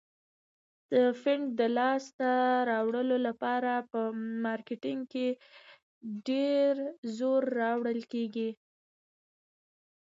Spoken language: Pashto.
د فنډ د لاس ته راوړلو لپاره په مارکیټینګ ډیر زور راوړل کیږي.